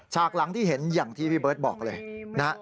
หลังที่เห็นอย่างที่พี่เบิร์ตบอกเลยนะฮะ